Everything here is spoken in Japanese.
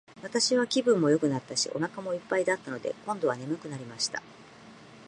私は気分もよくなったし、お腹も一ぱいだったので、今度は睡くなりました。